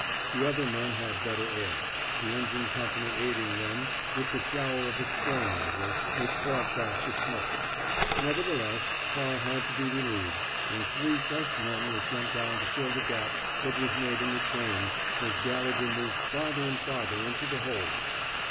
The other men had better air, the engine company aiding them with the shower of a spray nozzle, which fought back the smoke. Nevertheless, Parr had to be re lieved, and three fresh men were sent down to fill the gap that was made in the chain as Gallegher moved farther and farther into the hold.